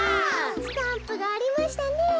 スタンプがありましたねえ。